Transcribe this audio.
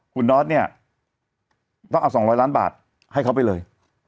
คุณนอทเนี่ยต้องเอา๒๐๐ล้านบาทให้เขาไปเลย